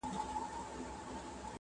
چي په سختو بدو ورځو د بلا مخ ته دریږي!!